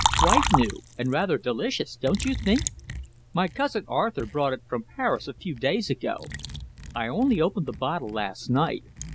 "Quite new, and rather delicious, don't you think? My cousin Arthur brought it from Paris a few days ago. I only opened the bottle last night.